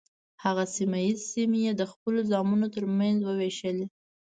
هغه سیمه ییزې سیمې یې د خپلو زامنو تر منځ وویشلې.